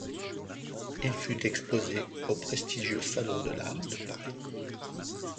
Il fut exposé au prestigieux salon de l'Art de Paris.